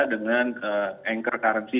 dengan anchor currency seperti yang ini